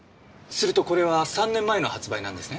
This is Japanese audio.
するとこれは３年前の発売なんですね？